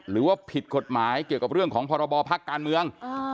หรือว่าผิดกฎหมายเกี่ยวกับเรื่องของพรบพักการเมือง